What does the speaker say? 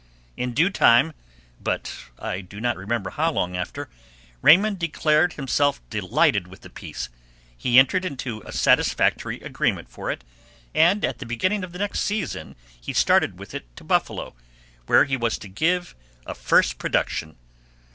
In due time, but I do not remember how long after, Raymond declared himself delighted with the piece; he entered into a satisfactory agreement for it, and at the beginning of the next season he started with it to Buffalo, where he was to give a first production.